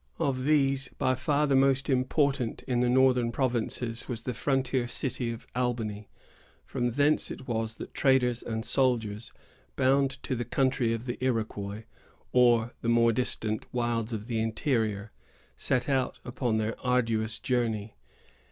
Of these, by far the most important in the northern provinces was the frontier city of Albany. From thence it was that traders and soldiers, bound to the country of the Iroquois, or the more distant wilds of the interior, set out upon their arduous journey.